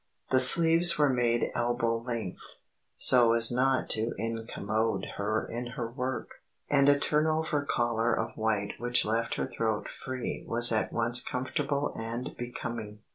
The sleeves were made elbow length, so as not to incommode her in her work, and a turnover collar of white which left her throat free was at once comfortable and becoming.